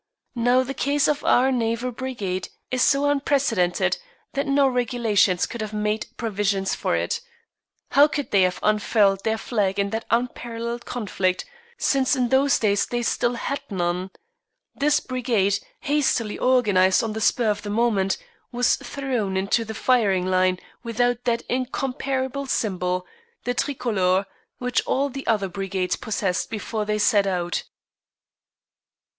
Now the case of our Naval Brigade is so unprecedented that no regulations could have made provision for it. How could they have unfurled their flag in that unparalleled conflict since in those days they still had none? This Brigade, hastily organised on the spur of the moment, was thrown into the firing line without that incomparable symbol, the tricolour, which all the other brigades possessed before they set out.